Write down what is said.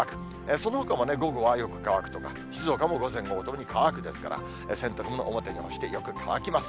そのほかも午後はよく乾くとか、静岡も午前、午後ともに乾くですから、洗濯物、表に干してよく乾きます。